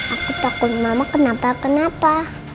aku takut mama kenapa kenapa